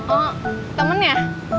oh temen ya